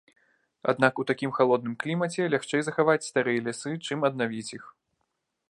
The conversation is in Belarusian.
Аднак, у такім халодным клімаце лягчэй захаваць старыя лясы, чым аднавіць іх.